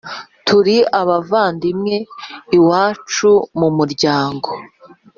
turi abavandimwe,…iwacu mu muryango-